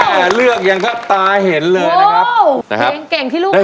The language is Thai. แม่เลือกอย่างก็ตายเห็นเลยนะครับเพลงเก่งที่ลูกให้ไว้